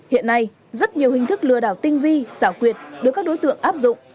hiện nay rất nhiều hình thức lừa đảo tinh vi xảo quyệt được các đối tượng áp dụng